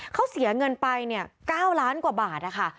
เขาเสียเงินไป๙ล้านกว่าบาทนะคะ